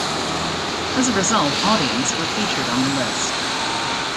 As a result, "Audience" were featured on the list.